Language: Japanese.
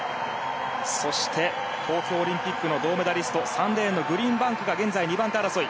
そして東京オリンピックの銅メダリスト３レーンのグリーンバンクが現在２番手争い。